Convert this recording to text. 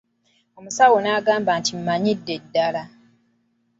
Omusawo n'agamba nti mmanyidde ddala.